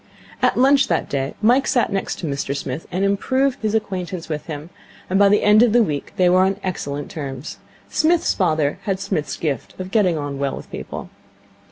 At lunch that day Mike sat next to Mr Smith, and improved his acquaintance with him; and by the end of the week they were on excellent terms. Psmith's father had Psmith's gift of getting on well with people.